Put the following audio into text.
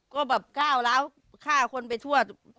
ก็แบบก้าวร้าวฆ่าคนไปทั่ว